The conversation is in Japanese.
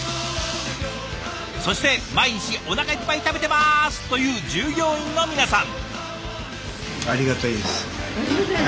そして毎日おなかいっぱい食べてますという従業員の皆さん。